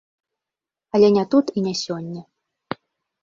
Але не тут і не сёння.